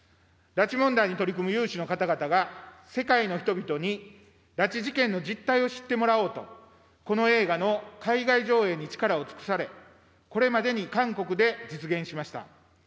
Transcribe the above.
拉致問題に取り組む有志の方々が世界の人々に拉致事件の実態を知ってもらおうと、この映画の海外上映に力を尽くされ、これまでに韓国で実現しました。